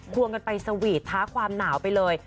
วงกันไปสวีท้าความหนาวไปเลย